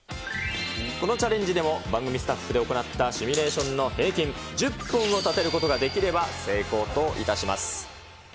このチャレンジでも、番組スタッフで行ったシミュレーションの平均１０本を立てることができれば、成功といたします。